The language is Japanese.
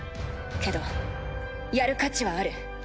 けどやる価値はある。